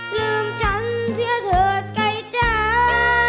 ลืมฉันเสียเถิดใกล้จ้า